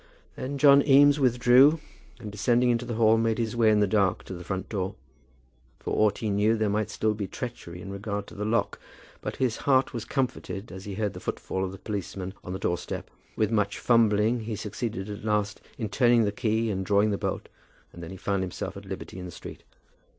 Then John Eames withdrew, and descending into the hall made his way in the dark to the front door. For aught he knew there might still be treachery in regard to the lock; but his heart was comforted as he heard the footfall of the policeman on the door step. With much fumbling he succeeded at last in turning the key and drawing the bolt, and then he found himself at liberty in the street.